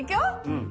うん！